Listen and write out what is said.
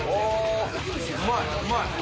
うまいうまい。